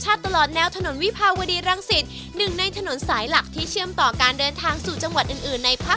จะทำอาหารอย่างเดียวเลย๒นาทีทำอาวุธผัก